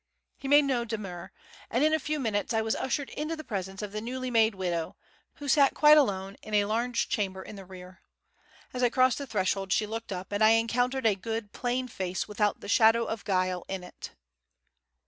He made no demur, and in a few minutes I was ushered into the presence of the newly made widow, who sat quite alone, in a large chamber in the rear. As I crossed the threshold she looked up, and I encountered a good, plain face, without the shadow of guile in it.